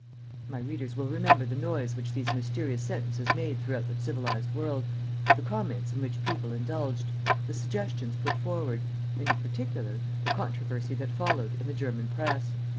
My readers will remember the noise which these mysterious sentences made throughout the civilized world, the comments in which people indulged, the suggestions put forward and, in particular, the controversy that followed in the German press.